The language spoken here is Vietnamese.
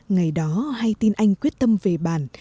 ngày đó hay tin anh quyết tâm về bàn